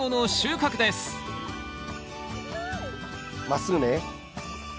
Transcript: まっすぐね。